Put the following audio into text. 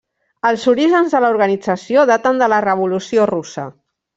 Els orígens de l'organització daten de la Revolució russa.